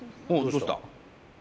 どうした？